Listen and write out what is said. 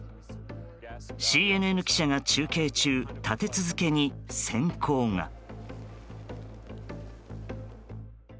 ＣＮＮ記者が中継中立て続けに閃光が。